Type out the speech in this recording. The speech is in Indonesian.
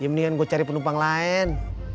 mendingan gue cari penumpang lain